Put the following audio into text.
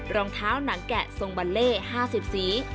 รองเท้าหนังแกะทรงบัลเล่๕๐สี